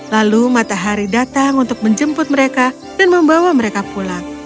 lalu matahari datang untuk menjemput mereka dan membawa mereka pulang